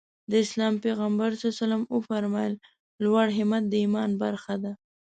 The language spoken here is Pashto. د اسلام پيغمبر ص وفرمايل لوړ همت د ايمان برخه ده.